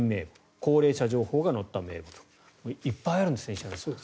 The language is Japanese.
高齢者情報が載った名簿いっぱいあるんですね石原さん。